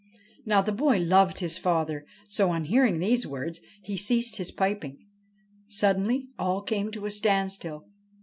' Now the boy loved his father ; so, on hearing these words, he ceased his piping. Suddenly all came to a standstill.